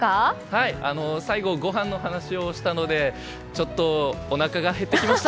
最後、ごはんの話をしたのでちょっとおなかが減ってきました。